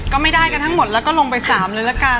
ก็ไม่ได้กันทั้งหมดแล้วก็ลงไป๓เลยละกัน